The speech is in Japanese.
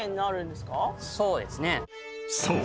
［そう。